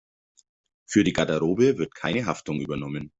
Für die Garderobe wird keine Haftung übernommen.